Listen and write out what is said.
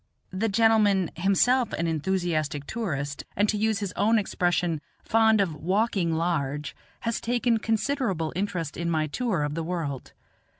The gentleman himself, an enthusiastic tourist, and to use his own expression, fond of "walking large," has taken considerable interest in my tour of the world.